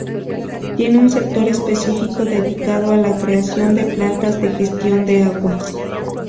Tiene un sector específico dedicado a la creación de plantas de gestión de aguas.